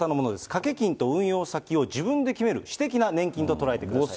掛金と運用先を自分で決める私的な年金と捉えてください。